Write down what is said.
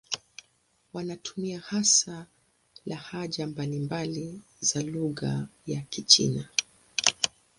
Wanatumia hasa lahaja mbalimbali za lugha ya Kichina.